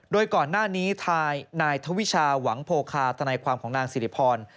โดยก่อนหน้านี้นายทวิชาหวังโพคาทนายความของนางสิริพร